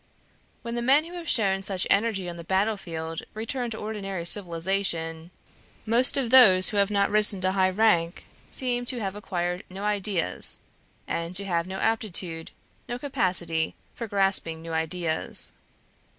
When the men who have shown such energy on the battlefield return to ordinary civilization, most of those who have not risen to high rank seem to have acquired no ideas, and to have no aptitude, no capacity, for grasping new ideas.